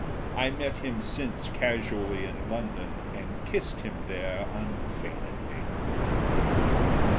I met him since casually in London, and kissed him there unfeignedly."